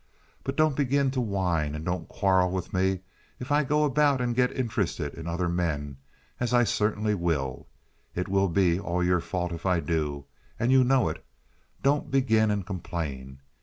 But don't begin to whine, and don't quarrel with me if I go about and get interested in other men, as I certainly will. It will be all your fault if I do, and you know it. Don't begin and complain.